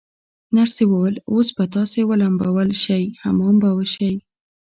نرسې وویل: اوس به تاسي ولمبول شئ، حمام به وشی.